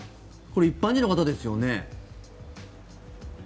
これ、一般人の方ですよね。